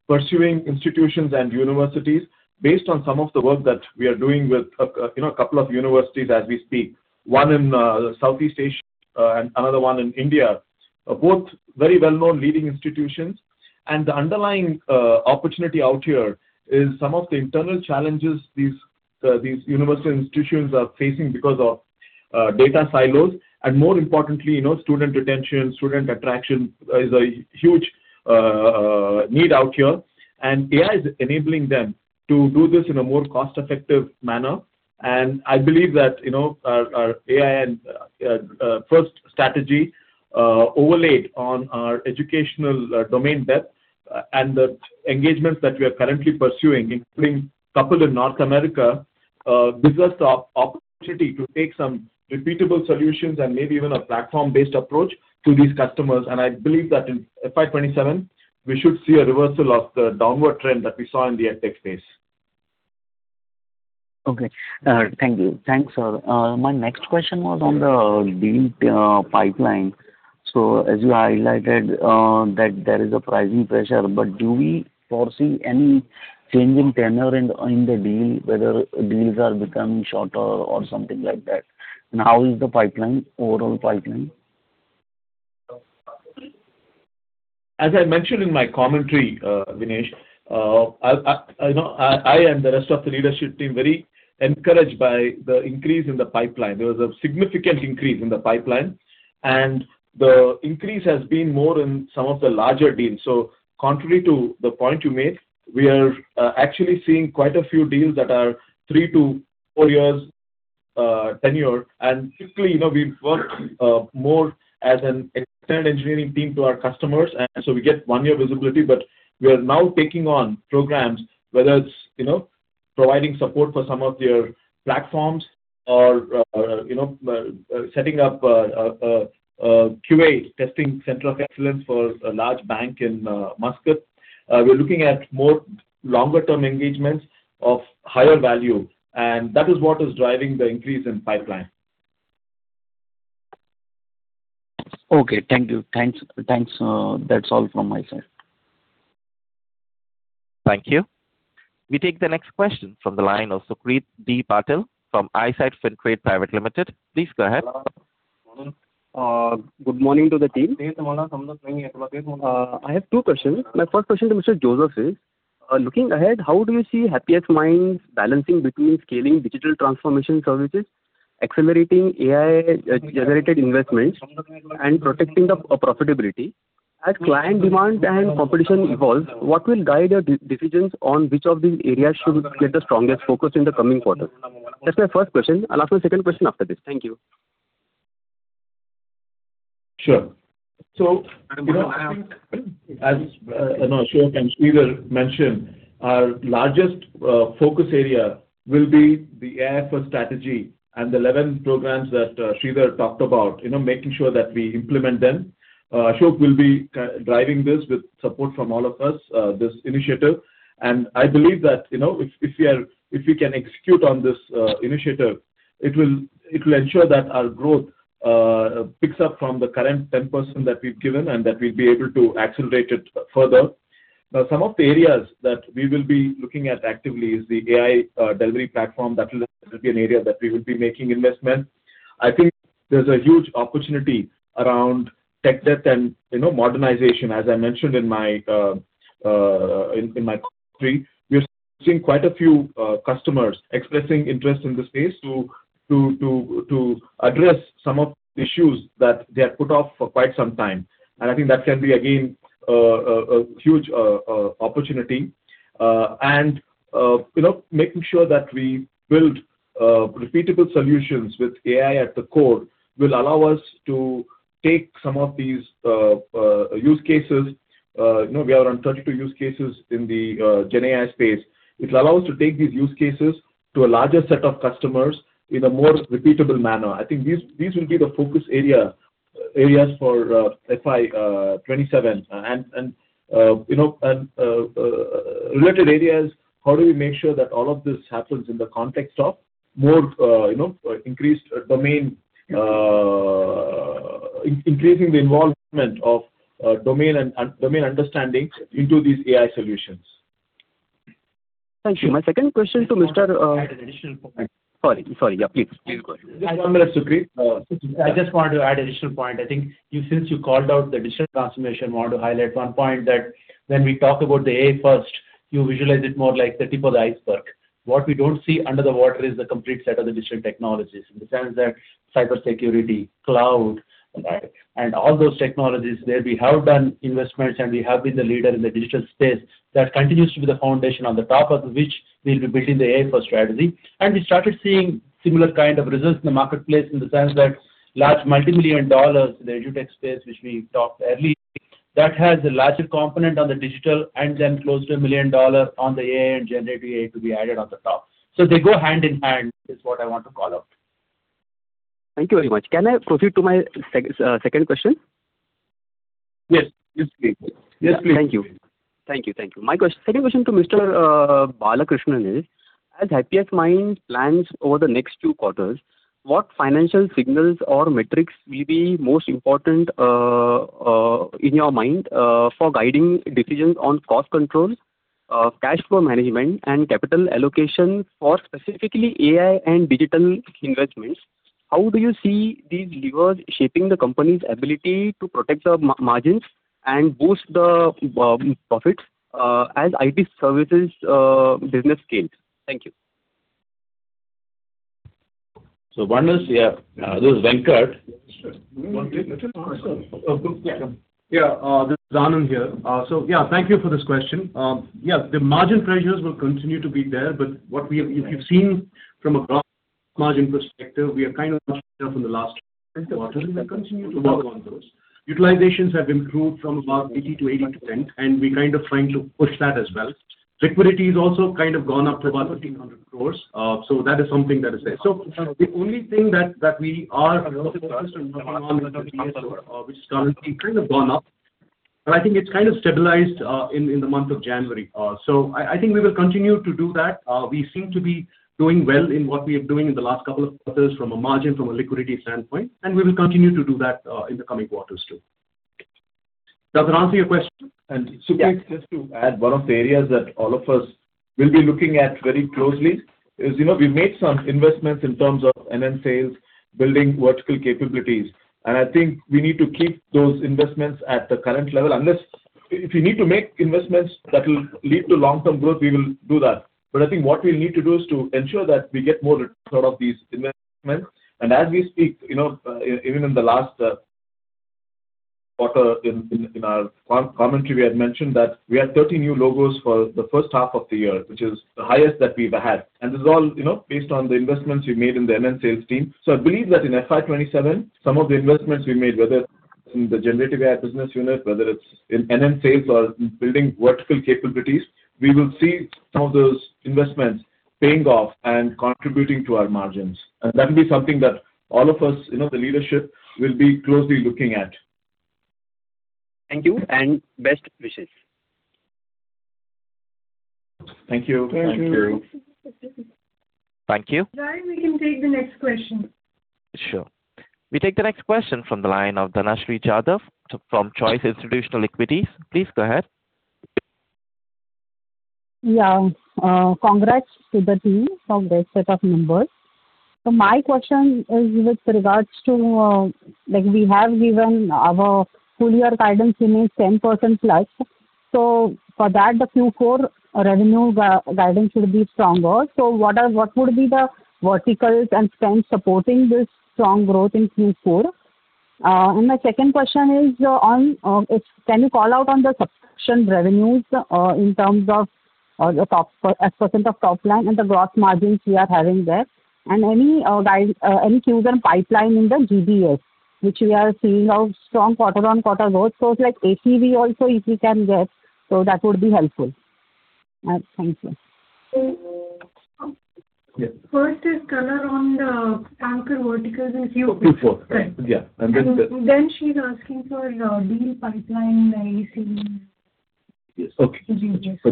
pursuing institutions and universities based on some of the work that we are doing with a couple of universities as we speak, one in Southeast Asia and another one in India, both very well-known leading institutions. And the underlying opportunity out here is some of the internal challenges these university institutions are facing because of data silos. And more importantly, student retention, student attraction is a huge need out here. And AI is enabling them to do this in a more cost-effective manner. And I believe that our AI-first strategy overlaid on our educational domain depth and the engagements that we are currently pursuing, including a couple in North America, gives us the opportunity to take some repeatable solutions and maybe even a platform-based approach to these customers. I believe that in FY 2027, we should see a reversal of the downward trend that we saw in the EdTech space. Okay. Thank you. Thanks, sir. My next question was on the deal pipeline. So as you highlighted that there is a pricing pressure, but do we foresee any change in tenure in the deal, whether deals are becoming shorter or something like that? And how is the pipeline, overall pipeline? As I mentioned in my commentary, Vinesh, I and the rest of the leadership team are very encouraged by the increase in the pipeline. There was a significant increase in the pipeline. The increase has been more in some of the larger deals. Contrary to the point you made, we are actually seeing quite a few deals that are three to four years tenure. And typically, we work more as an external engineering team to our customers. And so we get one-year visibility. We are now taking on programs, whether it's providing support for some of your platforms or setting up a QA, testing center of excellence for a large bank in Muscat. We're looking at more longer-term engagements of higher value. That is what is driving the increase in pipeline. Okay. Thank you. Thanks. That's all from my side. Thank you. We take the next question from the line of Sucrit D. Patil from Eyesight Fintrade Pvt Ltd. Please go ahead. Good morning to the team. I have two questions. My first question to Mr. Joseph is, looking ahead, how do you see Happiest Minds balancing between scaling digital transformation services, accelerating AI-generated investments, and protecting the profitability? As client demands and competition evolves, what will guide your decisions on which of these areas should get the strongest focus in the coming quarters? That's my first question. I'll ask my second question after this. Thank you. Sure. So as Ashok and Sridhar mentioned, our largest focus area will be the AI for strategy and the 11 programs that Sridhar talked about, making sure that we implement them. Ashok will be driving this with support from all of us, this initiative. And I believe that if we can execute on this initiative, it will ensure that our growth picks up from the current 10% that we've given and that we'll be able to accelerate it further. Now, some of the areas that we will be looking at actively is the AI delivery platform. That will be an area that we will be making investments. I think there's a huge opportunity around tech debt and modernization. As I mentioned in my commentary, we are seeing quite a few customers expressing interest in this space to address some of the issues that they had put off for quite some time. I think that can be, again, a huge opportunity. Making sure that we build repeatable solutions with AI at the core will allow us to take some of these use cases. We are on 32 use cases in the GenAI space. It will allow us to take these use cases to a larger set of customers in a more repeatable manner. I think these will be the focus areas for FY 2027. Related areas, how do we make sure that all of this happens in the context of more increased domain increasing the involvement of domain understanding into these AI solutions? Thank you. My second question to Mr. I had an additional point. Sorry. Sorry. Yeah. Please. Please go ahead. Just one minute, Sucrit. I just wanted to add an additional point. I think since you called out the digital transformation, I wanted to highlight one point that when we talk about the AI-first, you visualize it more like the tip of the iceberg. What we don't see under the water is the complete set of the digital technologies in the sense that cybersecurity, cloud, and all those technologies there. We have done investments, and we have been the leader in the digital space. That continues to be the foundation on the top of which we'll be building the AI-first strategy. We started seeing similar kind of results in the marketplace in the sense that large multimillion dollars in the EdTech space, which we talked earlier, that has a larger component on the digital and then close to a $1 million on the AI and generative AI to be added on the top. So they go hand in hand is what I want to call out. Thank you very much. Can I proceed to my second question? Yes. Yes, please. Yes, please. Thank you. Thank you. Thank you. My second question to Mr. Balakrishnan is, as Happiest Minds plans over the next two quarters, what financial signals or metrics will be most important in your mind for guiding decisions on cost control, cash flow management, and capital allocation for specifically AI and digital investments? How do you see these levers shaping the company's ability to protect the margins and boost the profits as IT services business scales? Thank you. So Vinesh, yeah. This is Venkat. Yes, sir. One quick question. Yeah. This is Anand here. So yeah, thank you for this question. Yeah, the margin pressures will continue to be there. But if you've seen from a gross margin perspective, we are kind of up in the last quarter. We will continue to work on those. Utilizations have improved from about 80% to 80%, and we're kind of trying to push that as well. Liquidity is also kind of gone up to about 1,300 crores. So that is something that is there. So the only thing that we are focused on working on is the DSO, which is currently kind of gone up. But I think it's kind of stabilized in the month of January. So I think we will continue to do that. We seem to be doing well in what we are doing in the last couple of quarters from a margin, from a liquidity standpoint. We will continue to do that in the coming quarters too. Does that answer your question? Sucrit, just to add, one of the areas that all of us will be looking at very closely is we've made some investments in terms of NN sales, building vertical capabilities. I think we need to keep those investments at the current level. If we need to make investments that will lead to long-term growth, we will do that. But I think what we'll need to do is to ensure that we get more return on these investments. As we speak, even in the last quarter in our commentary, we had mentioned that we had 30 new logos for the first half of the year, which is the highest that we've had. This is all based on the investments we've made in the NN sales team. I believe that in FY 2027, some of the investments we made, whether it's in the generative AI business unit, whether it's in NN sales or building vertical capabilities, we will see some of those investments paying off and contributing to our margins. That will be something that all of us, the leadership, will be closely looking at. Thank you. And best wishes. Thank you. Thank you. Thank you. Ryan, we can take the next question. Sure. We take the next question from the line of Dhanshree Jadhav from Choice Institutional Equities. Please go ahead. Yeah. Congrats to the team. Congrats to the set of members. So my question is with regards to we have given our full-year guidance in a 10%+. So for that, the Q4 revenue guidance should be stronger. So what would be the verticals and trends supporting this strong growth in Q4? And my second question is, can you call out on the subscription revenues in terms of as % of top line and the gross margins we are having there? And any cues and pipeline in the GBS, which we are seeing a strong quarter-on-quarter growth? So it's like ACV also, if we can get. So that would be helpful. Thank you. First is color on the anchor verticals in Q4. Q4. Yeah. And then. She's asking for deal pipeline ACV. Yes. For GBS. For GBS. Okay. So for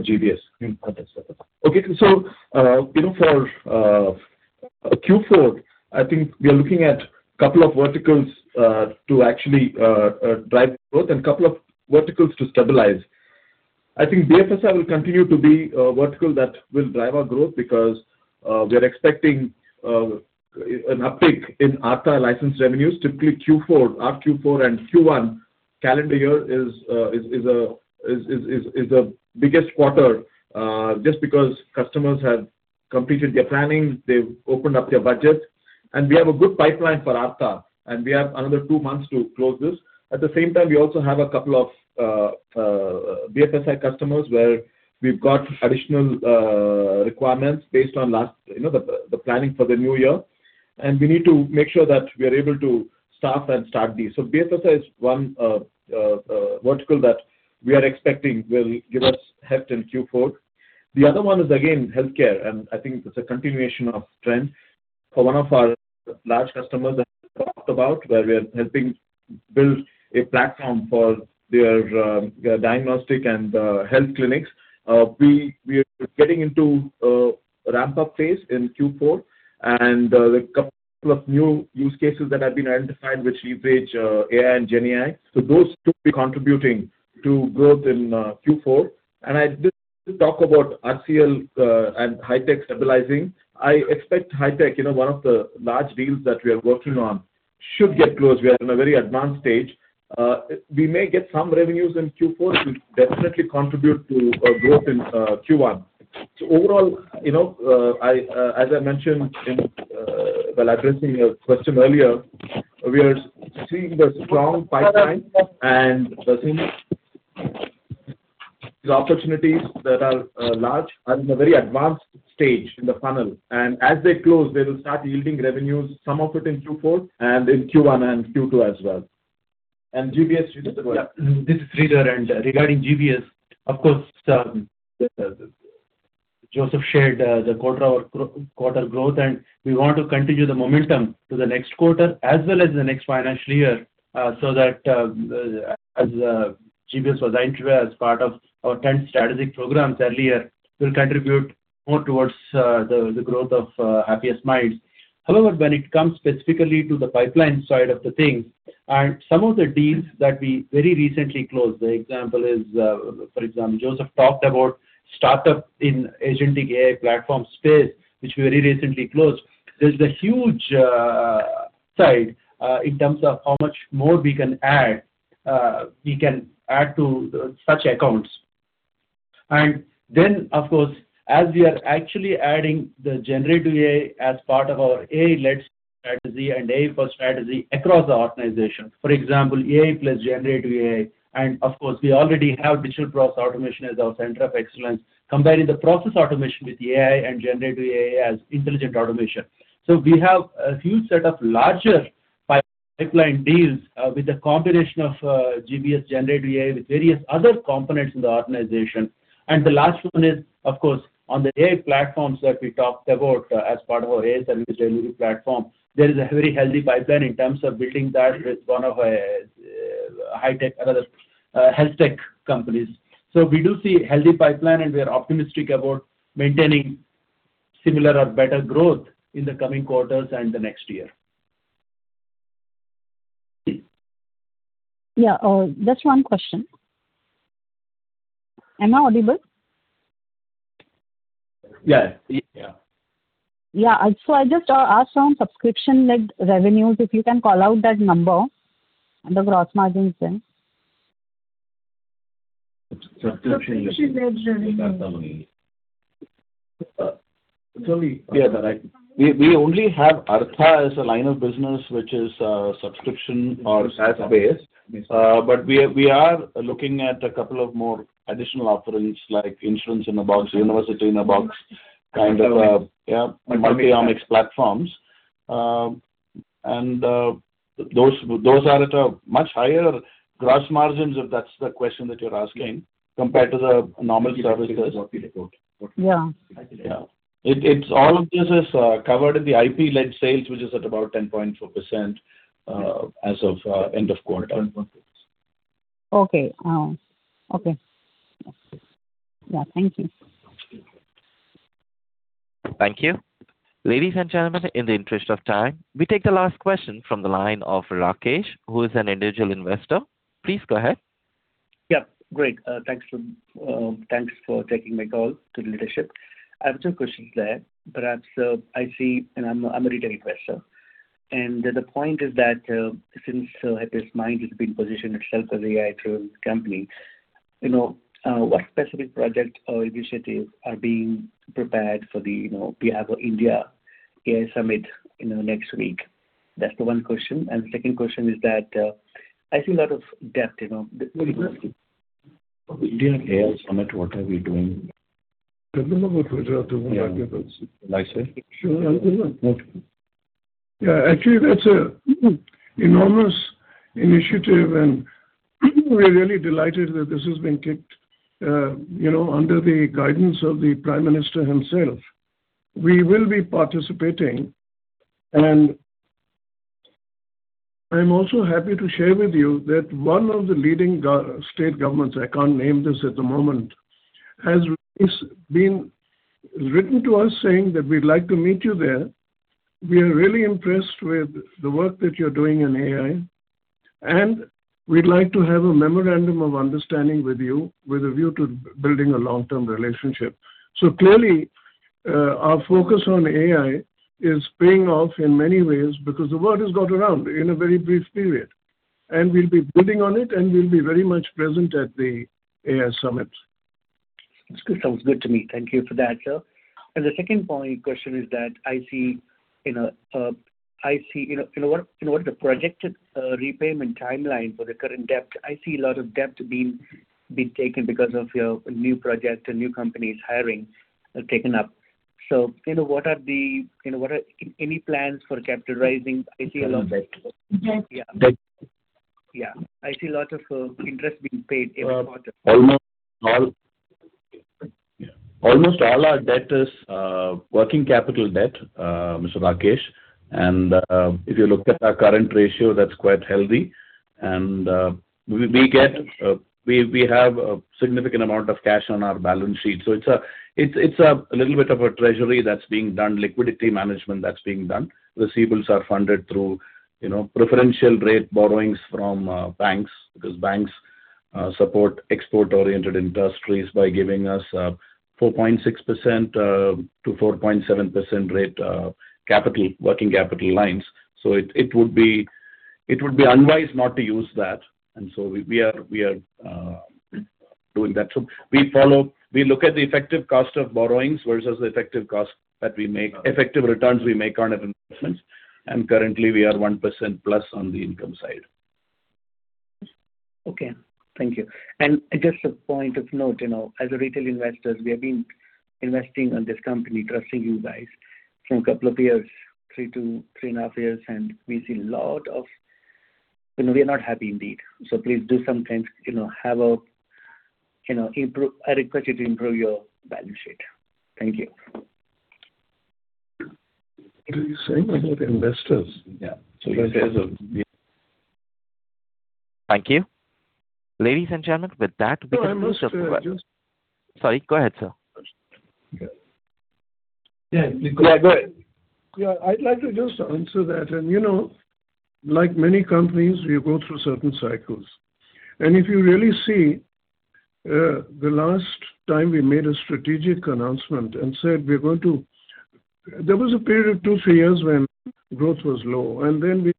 Q4, I think we are looking at a couple of verticals to actually drive growth and a couple of verticals to stabilize. I think BFSI will continue to be a vertical that will drive our growth because we are expecting an uptick in Arttha license revenues, typically Q4, our Q4 and Q1 calendar year is the biggest quarter just because customers have completed their planning. They've opened up their budgets. And we have a good pipeline for Arttha. And we have another two months to close this. At the same time, we also have a couple of BFSI customers where we've got additional requirements based on the planning for the new year. And we need to make sure that we are able to staff and start these. So BFSI is one vertical that we are expecting will give us heft in Q4. The other one is, again, healthcare. I think it's a continuation of trend. For one of our large customers that I talked about, where we are helping build a platform for their diagnostic and health clinics, we are getting into a ramp-up phase in Q4. And there are a couple of new use cases that have been identified, which leverage AI and GenAI. So those two will be contributing to growth in Q4. And I did talk about RCM and Hi-Tech stabilizing. I expect Hi-Tech, one of the large deals that we are working on, should get closed. We are in a very advanced stage. We may get some revenues in Q4. It will definitely contribute to growth in Q1. So overall, as I mentioned while addressing your question earlier, we are seeing the strong pipeline and opportunities that are large. Are in a very advanced stage in the funnel. As they close, they will start yielding revenues, some of it in Q4 and in Q1 and Q2 as well. GBS, Sridhar. Yeah. This is Sridhar. Regarding GBS, of course, Joseph shared the quarter-over-quarter growth. We want to continue the momentum to the next quarter as well as the next financial year so that as GBS was introduced as part of our 10 strategic programs earlier, we'll contribute more towards the growth of Happiest Minds. However, when it comes specifically to the pipeline side of the things and some of the deals that we very recently closed, the example is, for example, Joseph talked about startup in Agentic AI platform space, which we very recently closed. There's a huge upside in terms of how much more we can add to such accounts. Then, of course, as we are actually adding the generative AI as part of our AI-led strategy and AI-first strategy across the organization, for example, AI plus generative AI. And of course, we already have digital process automation as our center of excellence, combining the process automation with AI and generative AI as intelligent automation. So we have a huge set of larger pipeline deals with a combination of GBS generative AI with various other components in the organization. And the last one is, of course, on the AI platforms that we talked about as part of our AI service delivery platform; there is a very healthy pipeline in terms of building that with one of our health tech companies. So we do see a healthy pipeline, and we are optimistic about maintaining similar or better growth in the coming quarters and the next year. Yeah. Just one question. Am I audible? Yeah. Yeah. Yeah. So I just asked around subscription-led revenues. If you can call out that number and the gross margins there. Subscription-led revenues. Sorry. We only have Arttha as a line of business, which is subscription or SaaS-based. But we are looking at a couple of more additional offerings like Insurance-in-a-Box, University-in-a-Box kind of, yeah, Multi-Omics platforms. And those are at a much higher gross margins, if that's the question that you're asking, compared to the normal services. Yeah. Yeah. All of this is covered in the IP-led sales, which is at about 10.4% as of end of quarter. Okay. Okay. Yeah. Thank you. Thank you. Ladies and gentlemen, in the interest of time, we take the last question from the line of Rakesh, who is an individual investor. Please go ahead. Yep. Great. Thanks for taking my call to the leadership. I have two questions there. Perhaps I see and I'm a retail investor. And the point is that since Happiest Minds has been positioning itself as an AI-driven company, what specific projects or initiatives are being prepared for the GPAI India AI Summit next week? That's the one question. And the second question is that I see a lot of depth. India AI Summit, what are we doing? I don't remember which one that was. Nice saying. Sure. I'm good. Yeah. Actually, that's an enormous initiative, and we're really delighted that this has been kicked under the guidance of the Prime Minister himself. We will be participating. And I'm also happy to share with you that one of the leading state governments - I can't name this at the moment - has written to us saying that we'd like to meet you there. We are really impressed with the work that you're doing in AI, and we'd like to have a memorandum of understanding with you with a view to building a long-term relationship. So clearly, our focus on AI is paying off in many ways because the world has got around in a very brief period. And we'll be building on it, and we'll be very much present at the AI Summit. That sounds good to me. Thank you for that, sir. And the second point question is that I see in what is the projected repayment timeline for the current debt? I see a lot of debt being taken because of your new project and new companies hiring taken up. So what are any plans for capitalizing? I see a lot of. Debt. Yeah. Yeah. I see a lot of interest being paid every quarter. Almost all our debt is working capital debt, Mr. Rakesh. If you look at our current ratio, that's quite healthy. We have a significant amount of cash on our balance sheet. It's a little bit of a treasury that's being done, liquidity management that's being done. Receivables are funded through preferential rate borrowings from banks because banks support export-oriented industries by giving us 4.6%-4.7% rate working capital lines. It would be unwise not to use that. We are doing that. We look at the effective cost of borrowings versus the effective returns we make on our investments. Currently, we are 1%+ on the income side. Okay. Thank you. And just a point of note, as retail investors, we have been investing in this company, trusting you guys for a couple of years, 3 to 3.5 years. And we see a lot of we are not happy indeed. So please do something. I request you to improve your balance sheet. Thank you. Same about investors. So in terms of. Thank you. Ladies and gentlemen, with that, we can close up the recording. Sorry. Go ahead, sir. Yeah. Go ahead. Yeah. I'd like to just answer that. Like many companies, we go through certain cycles. And if you really see the last time we made a strategic announcement and said, "We're going to"—there was a period of two to three years when growth was low. And then we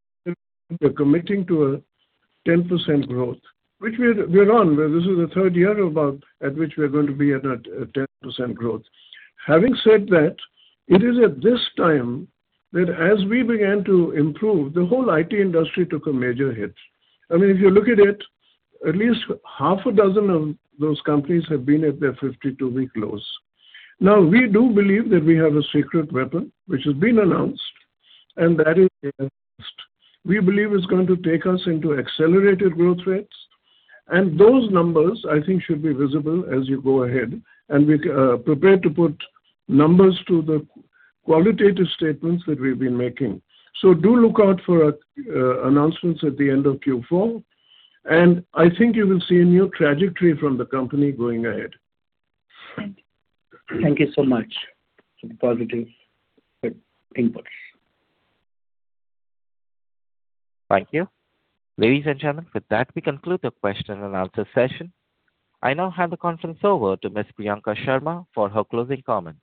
were committing to a 10% growth, which we're on. This is the third year at which we're going to be at a 10% growth. Having said that, it is at this time that as we began to improve, the whole IT industry took a major hit. I mean, if you look at it, at least half a dozen of those companies have been at their 52-week lows. Now, we do believe that we have a secret weapon, which has been announced, and that is AI-based. We believe it's going to take us into accelerated growth rates. Those numbers, I think, should be visible as you go ahead and be prepared to put numbers to the qualitative statements that we've been making. Do look out for announcements at the end of Q4. I think you will see a new trajectory from the company going ahead. Thank you so much for the positive inputs. Thank you. Ladies and gentlemen, with that, we conclude the question-and-answer session. I now hand the conference over to Ms. Priyanka Sharma for her closing comments.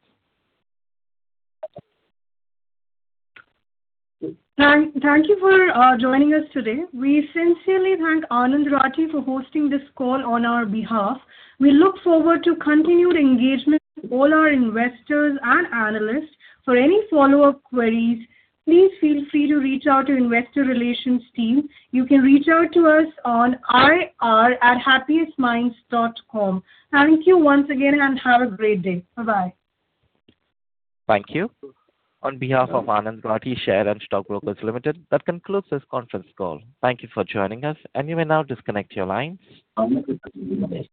Thank you for joining us today. We sincerely thank Anand Rathi for hosting this call on our behalf. We look forward to continued engagement with all our investors and analysts. For any follow-up queries, please feel free to reach out to the investor relations team. You can reach out to us on ir@happiestminds.com. Thank you once again, and have a great day. Bye-bye. Thank you. On behalf of Anand Rathi Share and Stock Brokers Limited, that concludes this conference call. Thank you for joining us. You may now disconnect your lines. Thank you.